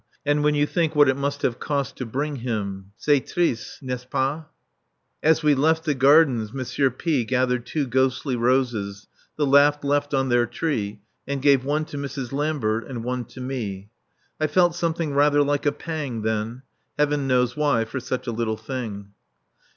And when you think what it must have cost to bring him C'est triste, n'est ce pas? As we left the gardens M. P gathered two ghostly roses, the last left on their tree, and gave one to Mrs. Lambert and one to me. I felt something rather like a pang then. Heaven knows why, for such a little thing.